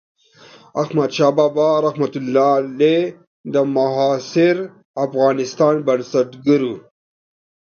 احمدشاه بابا رحمة الله علیه د معاصر افغانستان بنسټګر و.